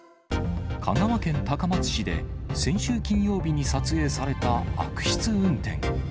香川県高松市で、先週金曜日に撮影された悪質運転。